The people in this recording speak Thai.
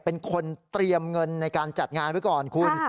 เป็นคนเตรียมเงินในการจัดงานไว้ก่อนคุณ